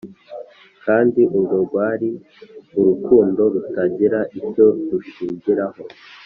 kandi urwo rwari urukundo rutagira icyo rushingiraho ...